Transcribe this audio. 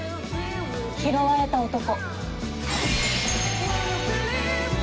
「拾われた男」。